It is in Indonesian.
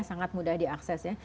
sangat mudah diakses ya